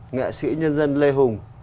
nghệ sĩ nhân dân lê hùng